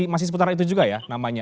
masih seputar itu juga ya namanya